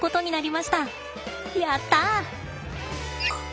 やった！